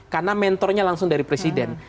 karena mentornya langsung dari presiden